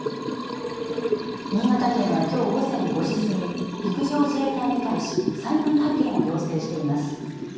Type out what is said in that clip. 新潟県はきょう午前５時過ぎ陸上自衛隊に対し災害派遣を要請しています。